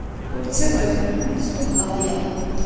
Ur ttaggad, ad am-d-ssuqqleɣ aya.